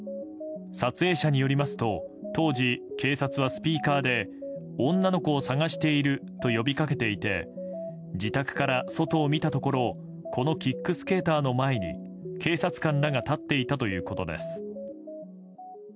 撮影者によりますと当時、警察はスピーカーで女の子を捜していると呼びかけていて自宅から外を見たところこのキックスケーターの前に警察官らが立っていたということです。